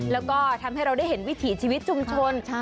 แล้วก็ทำให้เราได้เห็นวิถีชีวิตชุมชน